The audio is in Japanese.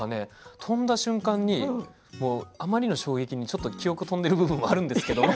飛んだ瞬間にあまりの衝撃に記憶が飛んでいる部分もあるんですけど。